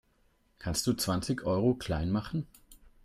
Kannst du zwanzig Euro klein machen?